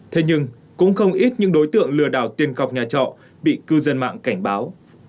thế nhưng cũng không ít những đối tượng lừa đảo tiền cọc nhà trọ bị cư dân mạng cảnh báo